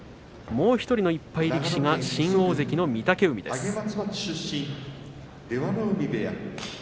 もう１人の１敗力士が新大関の御嶽海です。